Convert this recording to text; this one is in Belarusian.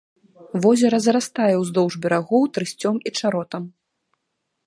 Возера зарастае ўздоўж берагоў трысцём і чаротам.